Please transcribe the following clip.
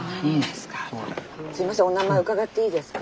すいませんお名前伺っていいですか？